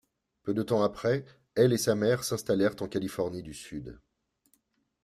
Peu de temps après, elle et sa mère s'installèrent en Californie du Sud.